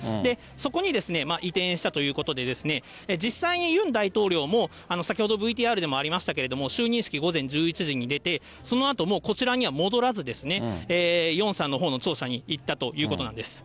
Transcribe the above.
そこに移転したということで、実際にユン大統領も、先ほどＶＴＲでもありましたけれども、就任式午前１１時に出て、そのあと、もうこちらには戻らず、ヨンサンのほうの庁舎に行ったということなんです。